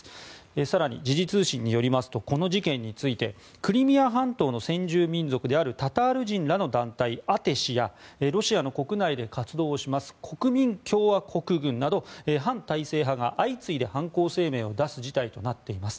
更に、時事通信によりますとこの事件についてクリミア半島の先住民族であるタタール人らの団体アテシやロシアの国内で活動をします国民共和国軍など反体制派が相次いで犯行声明を出す事態となっています。